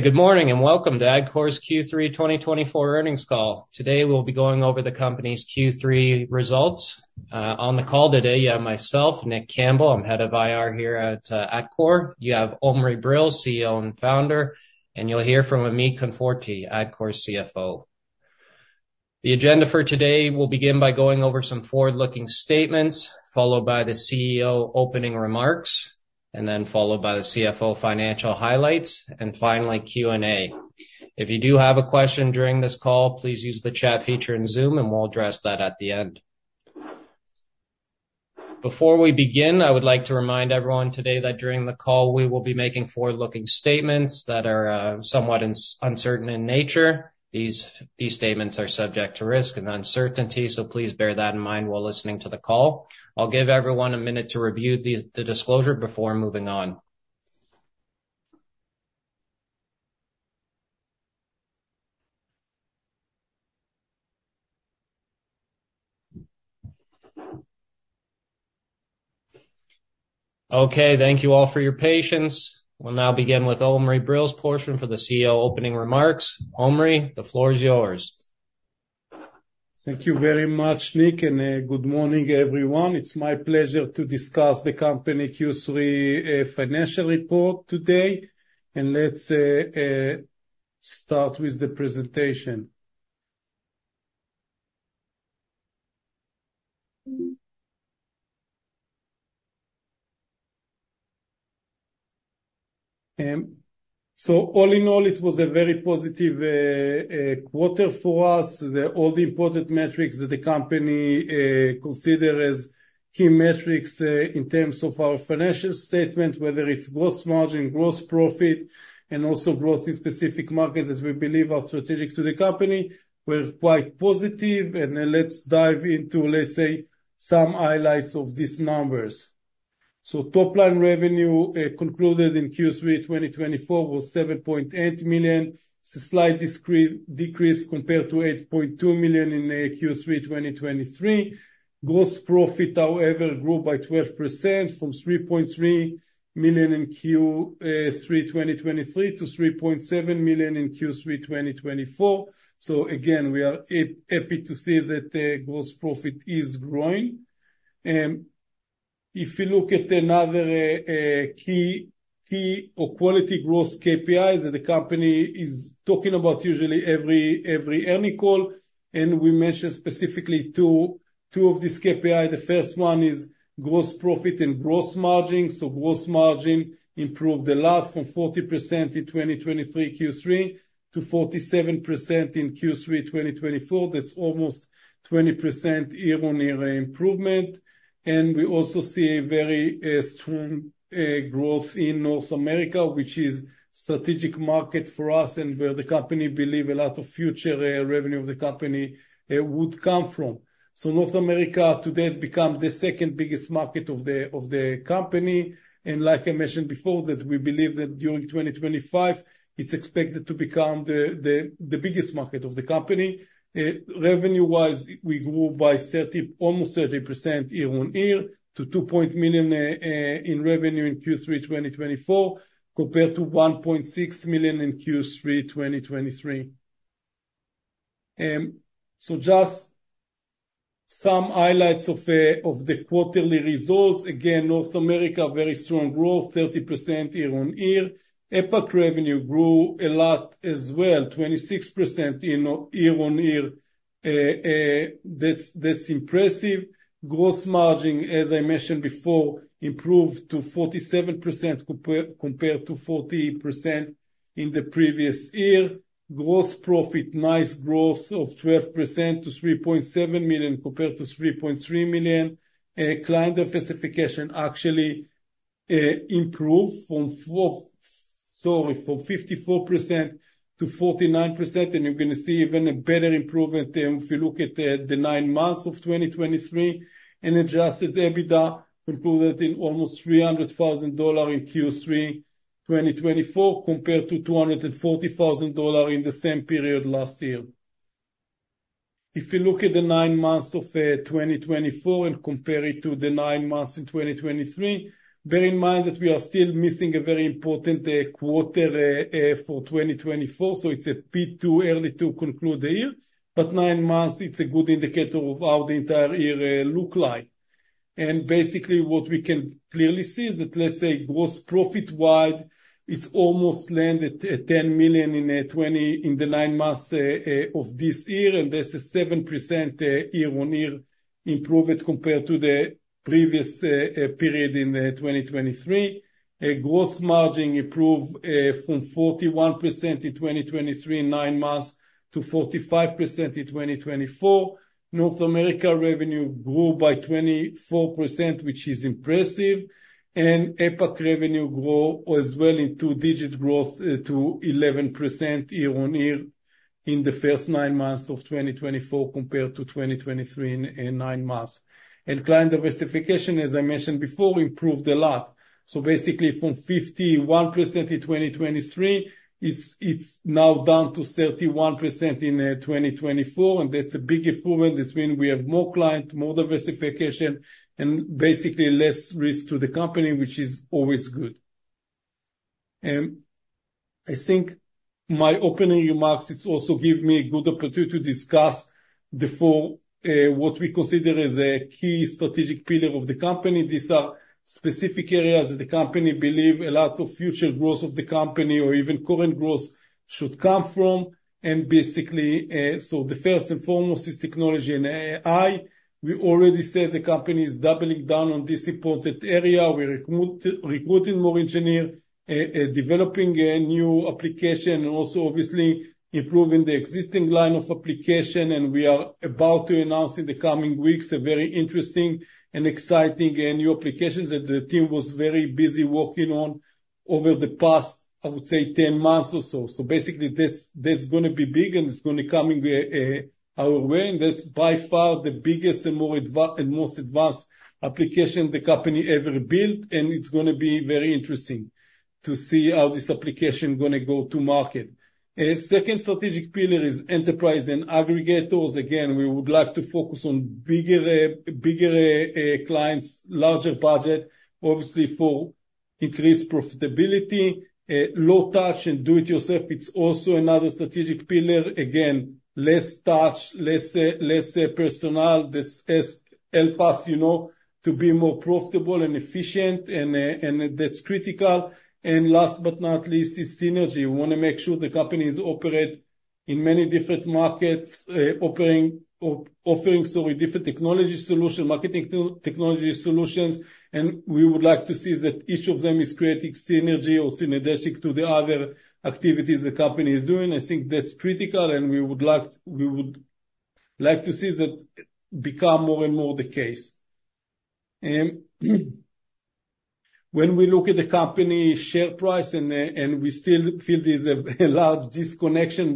Good morning and welcome to Adcore's Q3 2024 earnings call. Today we'll be going over the company's Q3 results. On the call today, you have myself, Nick Campbell. I'm head of IR here at Adcore. You have Omri Brill, CEO and founder, and you'll hear from Amit Konforty, Adcore CFO. The agenda for today will begin by going over some forward-looking statements, followed by the CEO opening remarks, and then followed by the CFO financial highlights, and finally Q&A. If you do have a question during this call, please use the chat feature in Zoom, and we'll address that at the end. Before we begin, I would like to remind everyone today that during the call we will be making forward-looking statements that are somewhat uncertain in nature. These statements are subject to risk and uncertainty, so please bear that in mind while listening to the call. I'll give everyone a minute to review the disclosure before moving on. Okay, thank you all for your patience. We'll now begin with Omri Brill's portion for the CEO opening remarks. Omri, the floor is yours. Thank you very much, Nick, and good morning, everyone. It's my pleasure to discuss the company Q3 financial report today, and let's start with the presentation. So all in all, it was a very positive quarter for us. All the important metrics that the company considers as key metrics in terms of our financial statement, whether it's gross margin, gross profit, and also growth in specific markets that we believe are strategic to the company, were quite positive. And let's dive into, let's say, some highlights of these numbers. So top-line revenue concluded in Q3 2024 was 7.8 million. It's a slight decrease compared to 8.2 million in Q3 2023. Gross profit, however, grew by 12% from 3.3 million in Q3 2023 to 3.7 million in Q3 2024. So again, we are happy to see that the gross profit is growing. If you look at another key or quality growth KPI that the company is talking about usually every earnings call, and we mentioned specifically two of these KPIs, the first one is gross profit and gross margin, so gross margin improved a lot from 40% in 2023 Q3 to 47% in Q3 2024. That's almost 20% year-on-year improvement, and we also see a very strong growth in North America, which is a strategic market for us and where the company believes a lot of future revenue of the company would come from. So North America today has become the second biggest market of the company, and like I mentioned before, we believe that during 2025, it's expected to become the biggest market of the company. Revenue-wise, we grew by almost 30% year-on-year to 2.1 million in revenue in Q3 2024 compared to 1.6 million in Q3 2023. So just some highlights of the quarterly results. Again, North America, very strong growth, 30% year-on-year. APAC revenue grew a lot as well, 26% year-on-year. That's impressive. Gross margin, as I mentioned before, improved to 47% compared to 40% in the previous year. Gross profit, nice growth of 12% to $3.7 million compared to $3.3 million. Client diversification actually improved from 54% to 49%, and you're going to see even a better improvement if you look at the nine months of 2023. And adjusted EBITDA concluded in almost $300,000 in Q3 2024 compared to $240,000 in the same period last year. If you look at the nine months of 2024 and compare it to the nine months in 2023, bear in mind that we are still missing a very important quarter for 2024, so it's too early to conclude the year. But nine months, it's a good indicator of how the entire year looks like. And basically, what we can clearly see is that, let's say, gross profit-wise, it's almost landed at 10 million in the nine months of this year, and that's a 7% year-on-year improvement compared to the previous period in 2023. Gross margin improved from 41% in 2023 nine months to 45% in 2024. North America revenue grew by 24%, which is impressive. And APAC revenue grew as well in two-digit growth to 11% year-on-year in the first nine months of 2024 compared to 2023 nine months. And client diversification, as I mentioned before, improved a lot. So basically, from 51% in 2023, it's now down to 31% in 2024, and that's a big improvement. That means we have more clients, more diversification, and basically less risk to the company, which is always good. I think my opening remarks also give me a good opportunity to discuss what we consider as a key strategic pillar of the company. These are specific areas that the company believes a lot of future growth of the company or even current growth should come from. And basically, so the first and foremost is technology and AI. We already said the company is doubling down on this important area. We're recruiting more engineers, developing new applications, and also obviously improving the existing line of application. And we are about to announce in the coming weeks a very interesting and exciting new application that the team was very busy working on over the past, I would say, 10 months or so. So basically, that's going to be big, and it's going to be coming our way. That's by far the biggest and most advanced application the company ever built, and it's going to be very interesting to see how this application is going to go to market. Second strategic pillar is enterprise and aggregators. Again, we would like to focus on bigger clients, larger budget, obviously for increased profitability. Low touch and do-it-yourself, it's also another strategic pillar. Again, less touch, less personnel. That's helped us to be more profitable and efficient, and that's critical. And last but not least is synergy. We want to make sure the companies operate in many different markets, offering different technology solutions, marketing technology solutions. And we would like to see that each of them is creating synergy or synergistic to the other activities the company is doing. I think that's critical, and we would like to see that become more and more the case. When we look at the company share price, and we still feel there's a large disconnection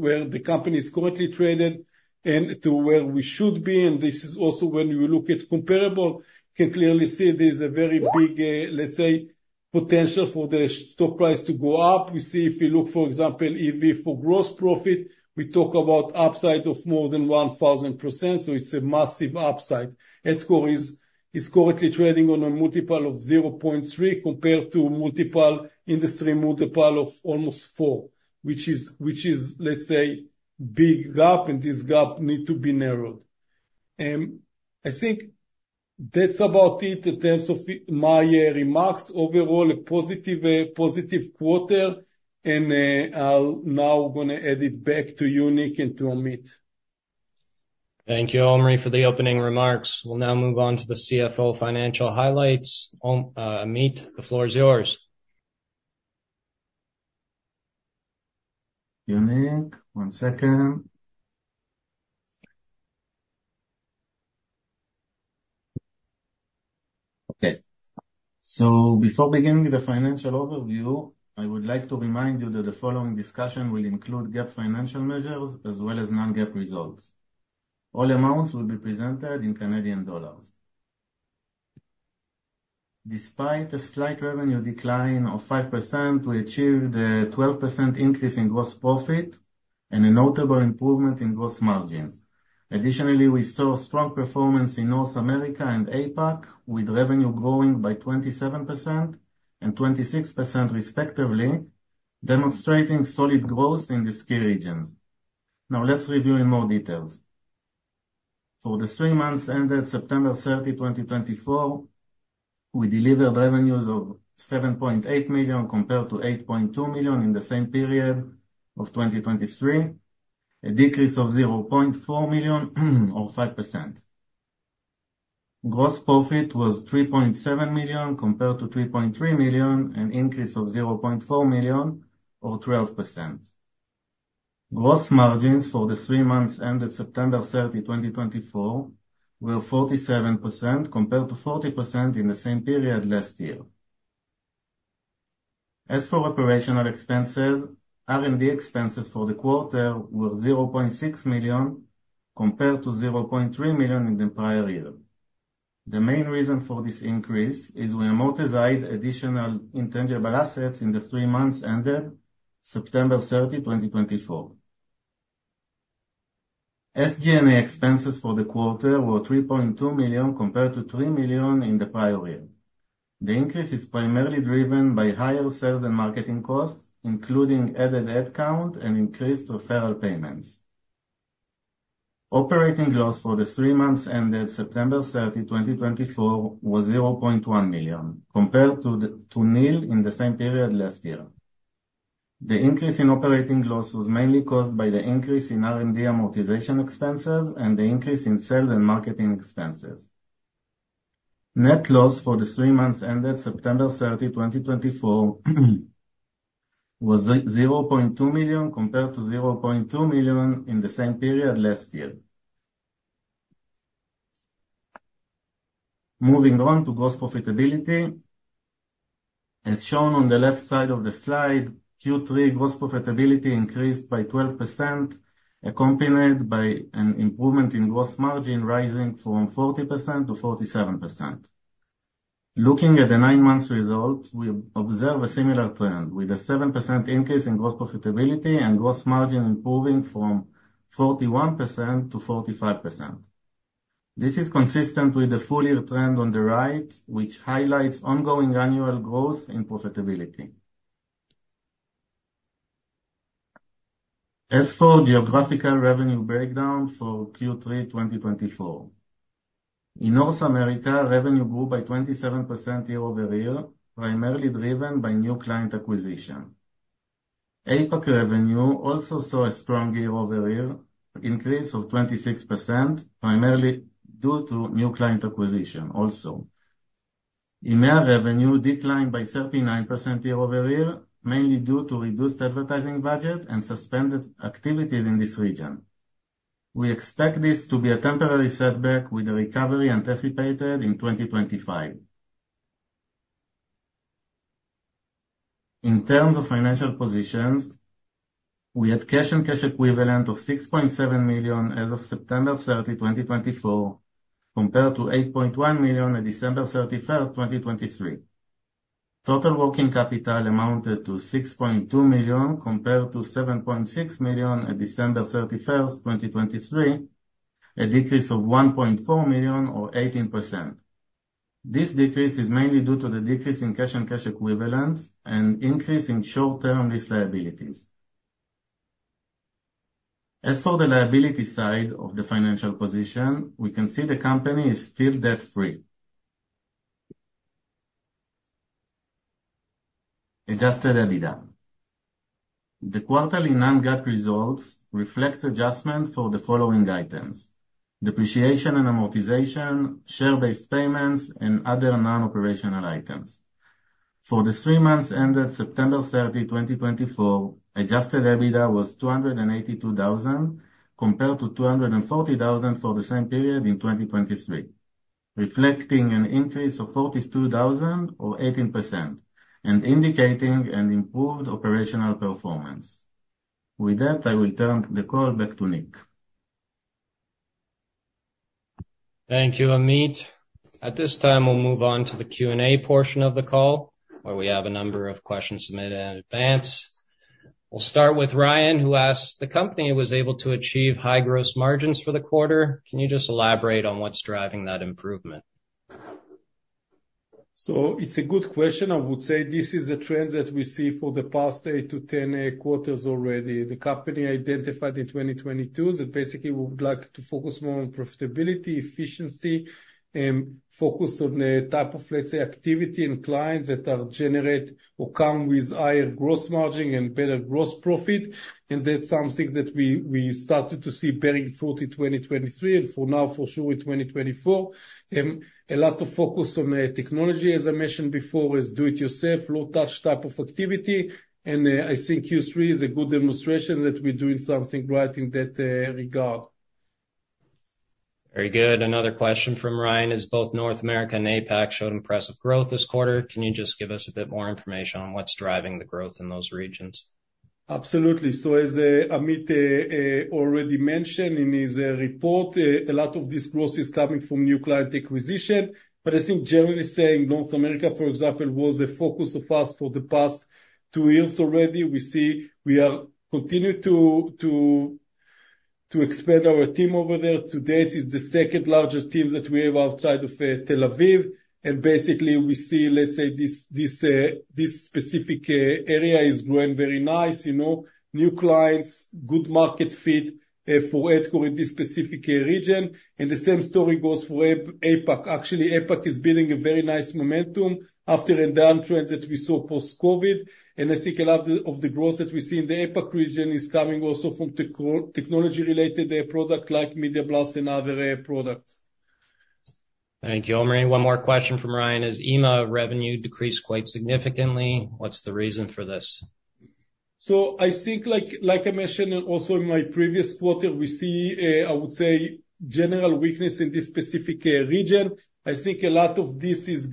where the company is currently traded and to where we should be, and this is also when you look at comparables, you can clearly see there's a very big, let's say, potential for the stock price to go up. You see, if you look, for example, EV for gross profit, we talk about upside of more than 1,000%. So it's a massive upside. Adcore is currently trading on a multiple of 0.3 compared to multiple. Industry multiple of almost 4, which is, let's say, a big gap, and this gap needs to be narrowed. I think that's about it in terms of my remarks. Overall, a positive quarter, and I'm now going to add it back to you, Nick, and to Amit. Thank you, Omri, for the opening remarks. We'll now move on to the CFO financial highlights. Amit, the floor is yours. So before beginning the financial overview, I would like to remind you that the following discussion will include GAAP financial measures as well as non-GAAP results. All amounts will be presented in Canadian dollars. Despite a slight revenue decline of 5%, we achieved a 12% increase in gross profit and a notable improvement in gross margins. Additionally, we saw strong performance in North America and APAC, with revenue growing by 27% and 26% respectively, demonstrating solid growth in the key regions. Now, let's review in more details. For the three months ended September 30, 2024, we delivered revenues of 7.8 million compared to 8.2 million in the same period of 2023, a decrease of 0.4 million or 5%. Gross profit was 3.7 million compared to 3.3 million, an increase of 0.4 million or 12%. Gross margins for the three months ended September 30, 2024, were 47% compared to 40% in the same period last year. As for operational expenses, R&D expenses for the quarter were 0.6 million compared to 0.3 million in the prior year. The main reason for this increase is we amortized additional intangible assets in the three months ended September 30, 2024. SG&A expenses for the quarter were 3.2 million compared to 3 million in the prior year. The increase is primarily driven by higher sales and marketing costs, including added headcount and increased referral payments. Operating loss for the three months ended September 30, 2024, was 0.1 million compared to nil in the same period last year. The increase in operating loss was mainly caused by the increase in R&D amortization expenses and the increase in sales and marketing expenses. Net loss for the three months ended September 30, 2024, was 0.2 million compared to 0.2 million in the same period last year. Moving on to gross profitability. As shown on the left side of the slide, Q3 gross profitability increased by 12%, accompanied by an improvement in gross margin rising from 40% to 47%. Looking at the nine-month result, we observe a similar trend with a 7% increase in gross profitability and gross margin improving from 41% to 45%. This is consistent with the full-year trend on the right, which highlights ongoing annual growth in profitability. As for geographical revenue breakdown for Q3 2024, in North America, revenue grew by 27% year-over-year, primarily driven by new client acquisition. APAC revenue also saw a strong year-over-year increase of 26%, primarily due to new client acquisition also. EMEA revenue declined by 39% year-over-year, mainly due to reduced advertising budget and suspended activities in this region. We expect this to be a temporary setback with a recovery anticipated in 2025. In terms of financial positions, we had cash and cash equivalents of $6.7 million as of September 30, 2024, compared to $8.1 million at December 31, 2023. Total working capital amounted to $6.2 million compared to $7.6 million at December 31, 2023, a decrease of $1.4 million or 18%. This decrease is mainly due to the decrease in cash and cash equivalents and increase in short-term lease liabilities. As for the liability side of the financial position, we can see the company is still debt-free. Adjusted EBITDA. The quarterly non- results reflect adjustment for the following items: depreciation and amortization, share-based payments, and other non-operational items. For the three months ended September 30, 2024, Adjusted EBITDA was 282,000 compared to 240,000 for the same period in 2023, reflecting an increase of 42,000 or 18% and indicating an improved operational performance. With that, I will turn the call back to Nick. Thank you, Amit. At this time, we'll move on to the Q&A portion of the call, where we have a number of questions submitted in advance. We'll start with Ryan, who asked, "The company was able to achieve high gross margins for the quarter. Can you just elaborate on what's driving that improvement? So it's a good question. I would say this is a trend that we see for the past eight to 10 quarters already. The company identified in 2022 that basically we would like to focus more on profitability, efficiency, and focus on the type of, let's say, activity and clients that generate or come with higher gross margin and better gross profit. And that's something that we started to see bearing fruit in 2023 and for now, for sure, in 2024. A lot of focus on technology, as I mentioned before, is do-it-yourself, low-touch type of activity. And I think Q3 is a good demonstration that we're doing something right in that regard. Very good. Another question from Ryan is, "Both North America and APAC showed impressive growth this quarter. Can you just give us a bit more information on what's driving the growth in those regions? Absolutely. So, as Amit already mentioned in his report, a lot of this growth is coming from new client acquisition, but I think generally saying North America, for example, was the focus of us for the past two years already. We see we are continuing to expand our team over there. To date, it's the second largest team that we have outside of Tel Aviv, and basically, we see, let's say, this specific area is growing very nice. New clients, good market fit for Adcore in this specific region, and the same story goes for APAC. Actually, APAC is building a very nice momentum after a downtrend that we saw post-COVID, and I think a lot of the growth that we see in the APAC region is coming also from technology-related products like MediaBlast and other products. Thank you, Omri. One more question from Ryan is, "EMEA revenue decreased quite significantly. What's the reason for this? So I think, like I mentioned also in my previous quarter, we see, I would say, general weakness in this specific region. I think a lot of this is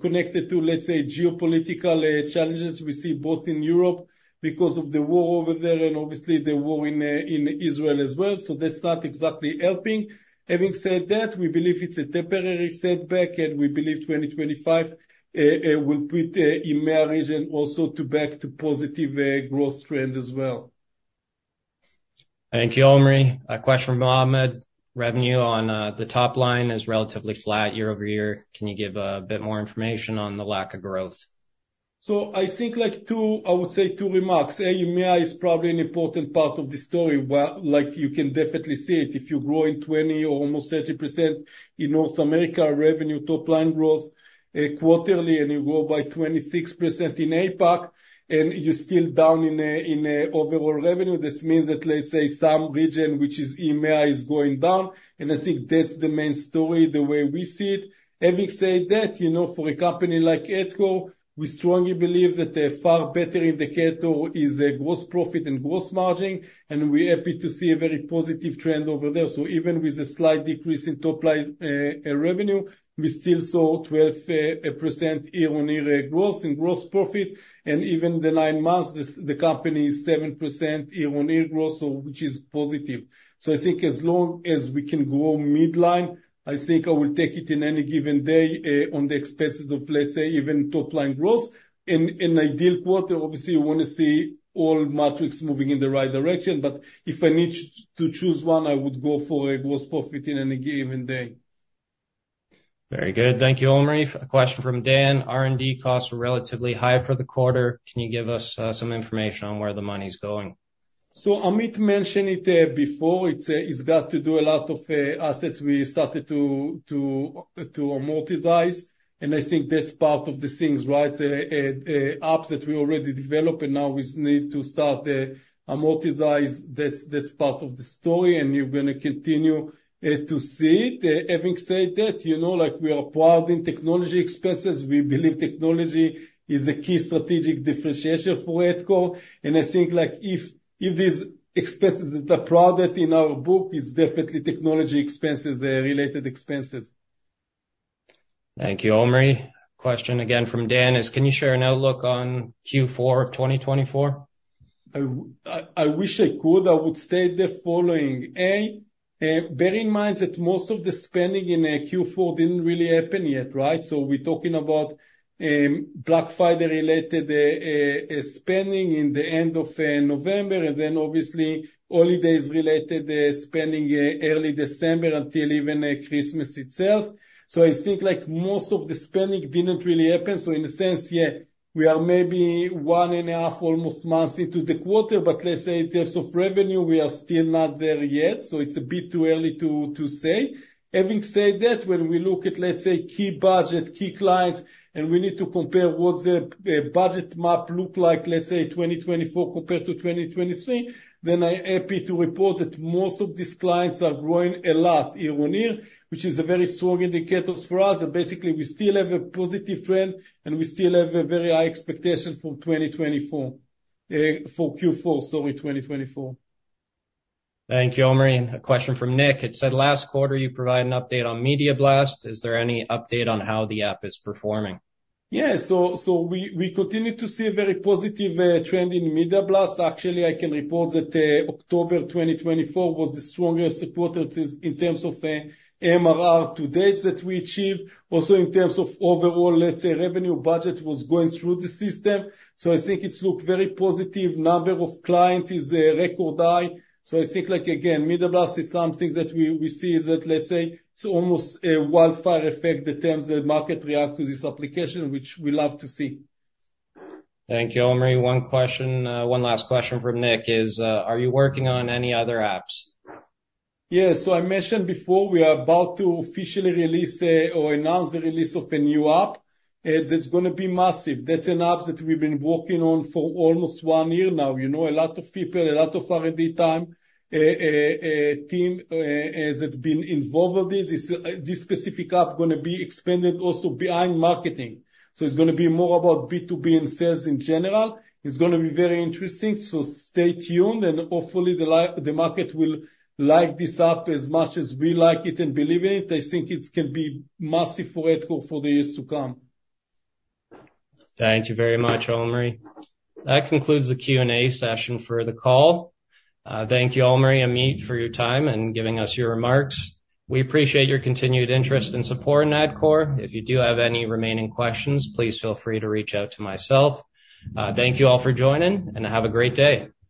connected to, let's say, geopolitical challenges we see both in Europe because of the war over there and obviously the war in Israel as well. So that's not exactly helping. Having said that, we believe it's a temporary setback, and we believe 2025 will put EMEA region also back to positive growth trend as well. Thank you, Omri. A question from Ahmed. Revenue on the top line is relatively flat year over year. Can you give a bit more information on the lack of growth? I think, I would say, two remarks. EMEA is probably an important part of the story. You can definitely see it. If you grow in 20% or almost 30% in North America revenue top-line growth quarterly, and you grow by 26% in APAC, and you're still down in overall revenue, that means that, let's say, some region, which is EMEA, is going down. And I think that's the main story the way we see it. Having said that, for a company like Adcore, we strongly believe that far better indicator is gross profit and gross margin, and we're happy to see a very positive trend over there. Even with a slight decrease in top-line revenue, we still saw 12% year-on-year growth in gross profit. And even the nine months, the company is 7% year-on-year growth, which is positive. So I think as long as we can grow mid-line, I think I will take it in any given day on the expenses of, let's say, even top-line growth. In an ideal quarter, obviously, you want to see all metrics moving in the right direction. But if I need to choose one, I would go for a gross profit in any given day. Very good. Thank you, Omri. A question from Dan. R&D costs are relatively high for the quarter. Can you give us some information on where the money's going? Amit mentioned it before. It's got to do with a lot of assets we started to amortize. I think that's part of the things, right? Apps that we already develop and now we need to start amortizing. That's part of the story, and you're going to continue to see it. Having said that, we are prudent in technology expenses. We believe technology is a key strategic differentiator for Adcore. I think these expenses that are properly in our book. It's definitely technology expenses, related expenses. Thank you, Omri. A question again from Dan is, "Can you share an outlook on Q4 of 2024? I wish I could. I would state the following. Bear in mind that most of the spending in Q4 didn't really happen yet, right? So we're talking about Black Friday-related spending in the end of November and then obviously holidays-related spending early December until even Christmas itself. So I think most of the spending didn't really happen. So in a sense, yeah, we are maybe one and a half almost months into the quarter, but let's say in terms of revenue, we are still not there yet. So it's a bit too early to say. Having said that, when we look at, let's say, key budget, key clients, and we need to compare what the budget map looks like, let's say, 2024 compared to 2023, then I'm happy to report that most of these clients are growing a lot year-on-year, which is a very strong indicator for us. Basically, we still have a positive trend, and we still have a very high expectation for 2024, for Q4, sorry, 2024. Thank you, Omri. A question from Nick. It said, "Last quarter, you provide an update on MediaBlast. Is there any update on how the app is performing? Yeah. So we continue to see a very positive trend in MediaBlast. Actually, I can report that October 2024 was the strongest quarter in terms of MRR to date that we achieved. Also in terms of overall, let's say, revenue budget was going through the system. So I think it looks very positive. Number of clients is record high. So I think, again, MediaBlast is something that we see that, let's say, it's almost a wildfire effect in terms of the market react to this application, which we love to see. Thank you, Omri. One question, one last question from Nick is, "Are you working on any other apps? Yeah. So I mentioned before we are about to officially release or announce the release of a new app that's going to be massive. That's an app that we've been working on for almost one year now. A lot of people, a lot of R&D team that have been involved with it. This specific app is going to be expanded also behind marketing. So it's going to be more about B2B and sales in general. It's going to be very interesting. So stay tuned, and hopefully, the market will like this app as much as we like it and believe in it. I think it can be massive for Adcore for the years to come. Thank you very much, Omri. That concludes the Q&A session for the call. Thank you, Omri, Amit, for your time and giving us your remarks. We appreciate your continued interest and support in Adcore. If you do have any remaining questions, please feel free to reach out to myself. Thank you all for joining, and have a great day.